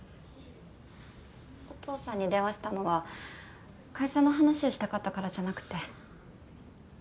お父さんに電話したのは会社の話をしたかったからじゃなくて。